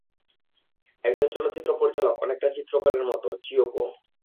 একজন চলচ্চিত্র পরিচালক অনেকটা চিত্রকরের মতো, চিয়োকো।